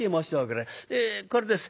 えこれです。